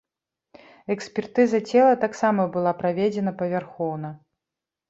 Экспертыза цела таксама была праведзена павярхоўна.